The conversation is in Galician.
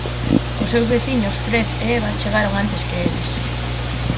Os seus veciños Fred e Eva chegaron antes que eles.